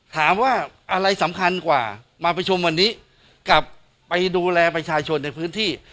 ถามว่าอะไรสำคัญกว่ามาประชุมวันนี้กลับไปดูแลประชาชนในพื้นที่